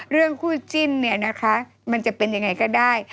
เรื่องคู่จิ้นเนี่ยนะคะมันจะเป็นยังไงก็ได้